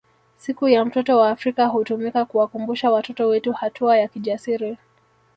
Siku ya mtoto wa Afrika hutumika kuwakumbusha watoto wetu hatua ya kijasiri